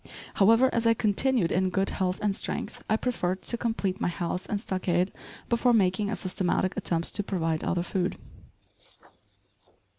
However, as I continued in good health and strength, I preferred to complete my house and stockade before making a systematic attempt to provide other food.